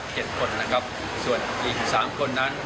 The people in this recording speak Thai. หรือต้นคุณหาที่๙ในเก่งเล็ก